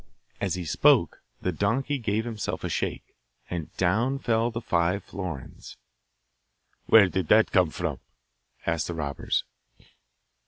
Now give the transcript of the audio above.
As he spoke the donkey gave himself a shake, and down fell the five florins. 'Where did that come from?' asked the robbers.